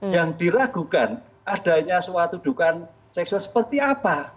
yang diragukan adanya suatu dugaan seksual seperti apa